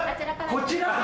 こちら？